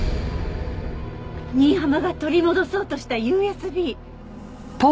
新浜が取り戻そうとしたＵＳＢ。